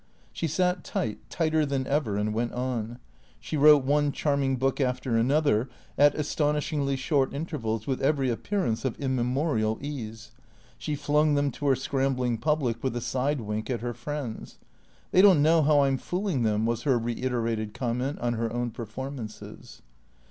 She sat tight, tighter than ever, and went on. She wrote one charming book after another, at astonishingly short intervals, with every appearance of immemorial ease. She flung them to her scrambling public with a side wink at her friends. " They don't know how I 'm fooling them," was her reiterated comment on her own performances.